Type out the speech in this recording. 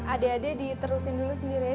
adik adik diterusin dulu sendiri ya